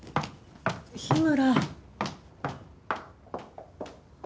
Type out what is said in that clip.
日村！？